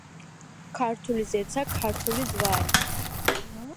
ქართული ზეცა, ქართული ზვარი,